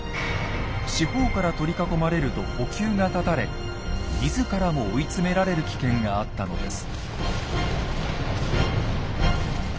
四方から取り囲まれると補給が絶たれ自らも追い詰められる危険があったのです。